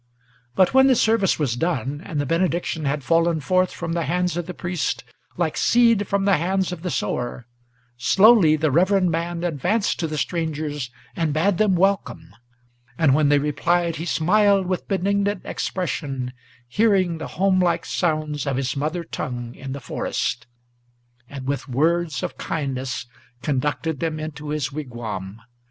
But when the service was done, and the benediction had fallen Forth from the hands of the priest, like seed from the hands of the sower, Slowly the reverend man advanced to the strangers and bade them Welcome; and when they replied, he smiled with benignant expression, Hearing the homelike sounds of his mother tongue in the forest, And, with words of kindness, conducted them into his wigwam.